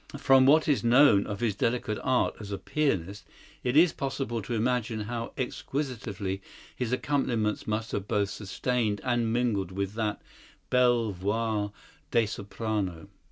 From what is known of his delicate art as a pianist it is possible to imagine how exquisitely his accompaniments must have both sustained and mingled with that "belle voix de soprano."